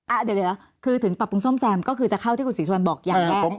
เดี๋ยวคือถึงปรับปรุงซ่อมแซมก็คือจะเข้าที่คุณศรีสุวรรณบอกอย่างแรก